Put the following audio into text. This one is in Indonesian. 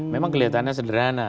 memang kelihatannya sederhana